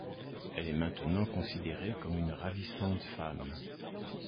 Elle est maintenant considérée comme une ravissante femme.